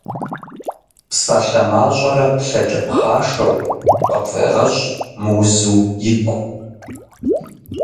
Псалъэ мащӏэрэ плъэкӏэ пхъашэу, къыпфӏегъэщӏ мыузу игу.